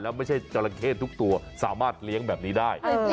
แล้วไม่ใช่จราเข้ทุกตัวสามารถเลี้ยงแบบนี้ได้